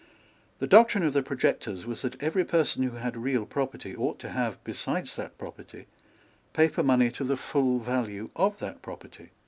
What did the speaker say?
The doctrine of the projectors was that every person who had real property ought to have, besides that property, paper money to the full value of that property.